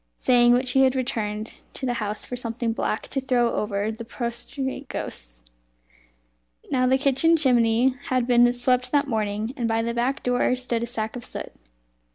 Saying which he returned to the house for something black to throw over the prostrate ghosts. Now the kitchen chimney had been swept that morning, and by the back door stood a sack of soot.